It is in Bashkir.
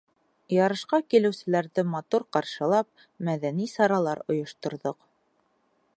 Ярышҡа килеүселәрҙе матур ҡаршылап, мәҙәни саралар ойошторҙоҡ.